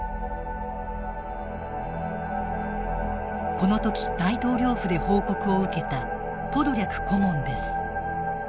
この時大統領府で報告を受けたポドリャク顧問です。